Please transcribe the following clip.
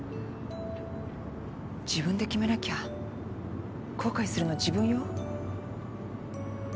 自分で決めなきゃ後悔するの自分よ。